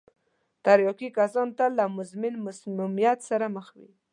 تریاکي کسان تل له مزمن مسمومیت سره مخ وي.